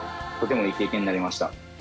とてもいい経験になりました。